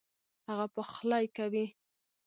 هغه پخلی کوي